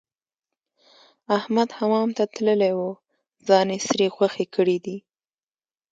احمد حمام ته تللی وو؛ ځان يې سرې غوښې کړی دی.